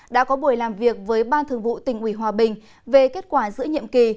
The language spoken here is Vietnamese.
đã có buổi làm việc với ban thường vụ tỉnh ủy hòa bình về kết quả giữa nhiệm kỳ